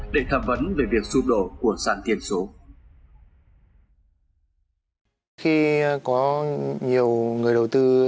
để tham vấn về việc sụp đổ của sản tiền số